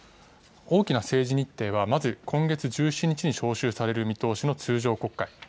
大きな政治日程は、まず今月１７日に召集される見通しの通常国会。